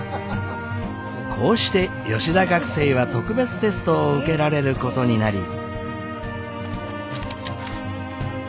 こうして吉田学生は特別テストを受けられることになり。